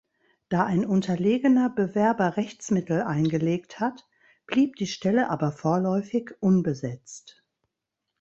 Da ein unterlegener Bewerber Rechtsmittel eingelegt hat, blieb die Stelle aber vorläufig unbesetzt.